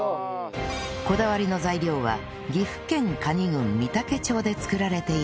こだわりの材料は岐阜県可児郡御嵩町で作られている